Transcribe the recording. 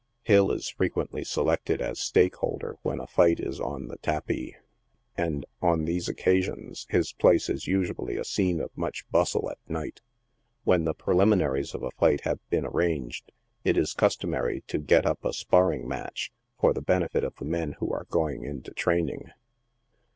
Hill is frequently selected as stake holder, when a fight is on the tapis, and, on these occasions, his place is usually a scene of much bustle at night. When the preliminaries of a fight have been ar ranged, it is customary to get up a sparring match, for the benefit of the men who are going into training.